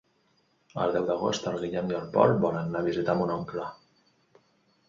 El deu d'agost en Guillem i en Pol volen anar a visitar mon oncle.